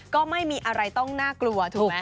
ก็ไม่มีอะไรต้องน่ากลัวถูกไหม